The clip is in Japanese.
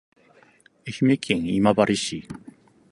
愛媛県今治市